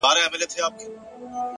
د پرمختګ راز په دوام کې دی.